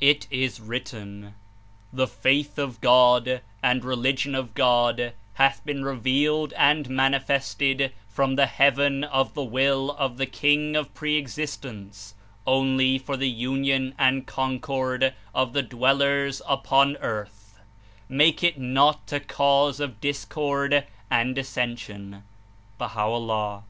It is written: ''The faith of God and religion of God hath been revealed and manifested from the heaven of the JVill of the King of Pre existence only for the union and concord of the dwellers upon earth; make it not a cause of discord and dissension.'^ (Baha'o'llah.)